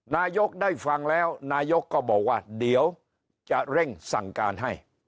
ได้ฟังแล้วนายกก็บอกว่าเดี๋ยวจะเร่งสั่งการให้